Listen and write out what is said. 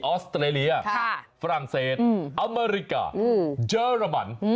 อสเตรเลียฝรั่งเศสอเมริกาเยอรมัน